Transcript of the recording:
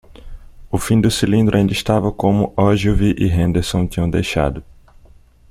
O fim do cilindro ainda estava como Ogilvy e Henderson tinham deixado.